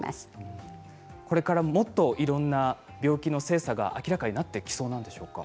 これからもっといろんな病気の性差が明らかになってきそうなんでしょうか。